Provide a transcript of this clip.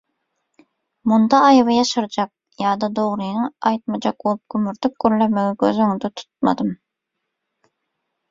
Munda aýby ýaşyrjak ýa-da dogryňy aýtmajak bolup gümürtik gürlemegi göz öňünde tutlmadym.